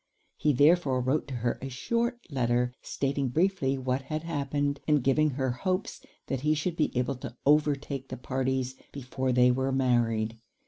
He therefore wrote to her a short letter, stating briefly what had happened, and giving her hopes that he should be able to overtake the parties before they were married.